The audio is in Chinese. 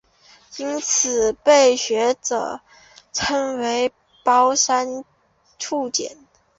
因此被学者称为包山楚简。